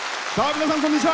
皆さん、こんにちは。